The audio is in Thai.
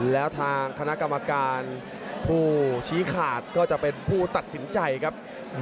แล้วทางคณะกรรมการผู้ชี้ขาดก็จะเป็นผู้ตัดสินใจครับ